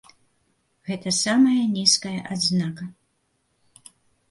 Гэта самая нізкая адзнака.